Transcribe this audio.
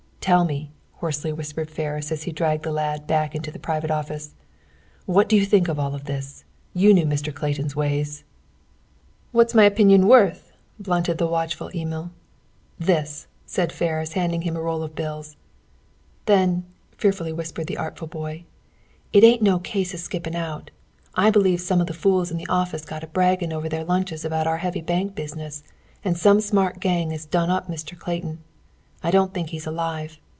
"Tell me," hoarsely whispered Ferris as he dragged the lad back into the private office, "What do you think of all this? You knew Mr. Clayton's ways!" "What's my opinion worth?" bluntly said the watchful Emil. "This!" said Ferris, handing him a roll of bills. "Then," fearfully whispered the artful boy, "it ain't no case of skippin' out. I believe some of the fools in the office got a braggin' over their lunches about our heavy bank business, and some smart gang has 'done up' Mr. Clayton. I don't think he's alive.